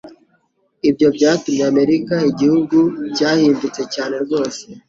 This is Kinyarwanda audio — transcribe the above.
Ibyo byatumye Amerika igihugu cyahindutse cyane rwose